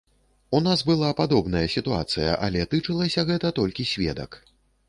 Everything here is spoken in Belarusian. У нас была падобная сітуацыя, але тычылася гэта толькі сведак.